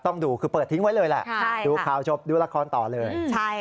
ต้องดูคือเปิดทิ้งไว้เลยแหละดูข่าวจบดูละครต่อเลย